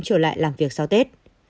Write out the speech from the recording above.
trở lại làm việc sau tết